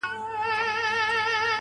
خو يو ځل بيا وسجدې ته ټيټ سو.